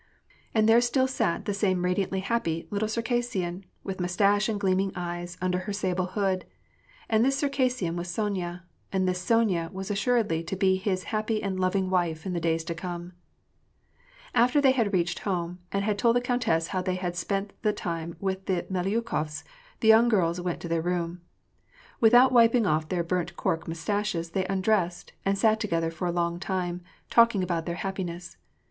And there still sat the same radiantly happy little Circassian, with mustache and gleaming eyes, under her sable hood ; and this Circassian was Sonya, and this Sonya was as suredly to be his happy and loving wife in the days to come ! After they had reached home, and had told the countess how they had spent the time at the Melyukofs, the young girls went to their room. Without wiping off their burnt cork mustaches they undressed, and sat together for a long time, talking about their happiness.